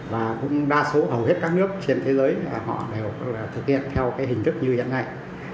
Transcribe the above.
và cũng đa số hầu hết các nước trên thế giới họ đều thực hiện theo hình thức như hiện nay